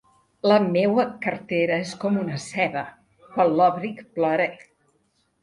La meua cartera és com una ceba; quan l'òbric, plore.